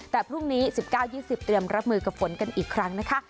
แต่พรุ่งนี้๑๙๒๐เตรียมรับมือกับฝนกันอีกครั้งนะคะ